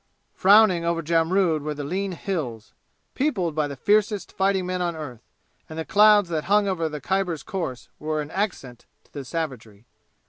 Frowning over Jamrud were the lean "Hills," peopled by the fiercest fighting men on earth, and the clouds that hung over the Khyber's course were an accent to the savagery.